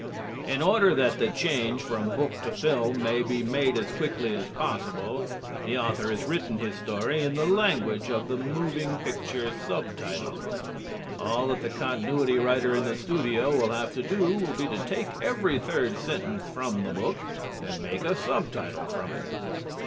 In order that the change from book to film may be made as quickly as possible, the author has written his story in the language of the moving picture subtitle. All that the continuity writer in the studio will have to do will be to take every third sentence from the book and make a subtitle from it.